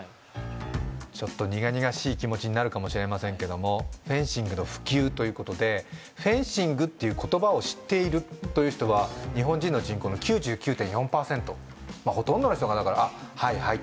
ちょっと苦々しい気持ちになるかもしれませんけどもフェンシングの普及ということで「フェンシング」っていう言葉を知っているという人は日本人の人口の９９．４％ほとんどの人がだから「あっはいはい」